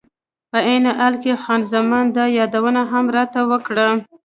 په عین حال کې خان زمان دا یادونه هم راته وکړه.